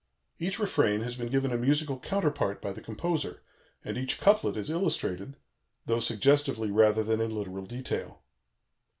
_) Each refrain has been given a musical counterpart by the composer, and each couplet is illustrated, though suggestively rather than in literal detail.